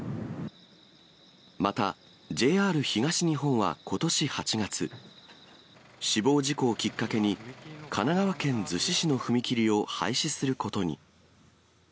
また、ＪＲ東日本はことし８月、死亡事故をきっかけに、神奈川県逗子市の踏切を廃止することに。